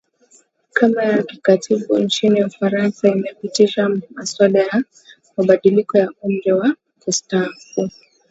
kama ya kikatiba nchini ufaransa imepitisha muswada wa mabadiliko ya umri wa kustaafu